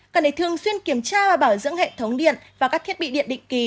cần để thường xuyên kiểm tra và bảo dưỡng hệ thống điện và các thiết bị điện định kỳ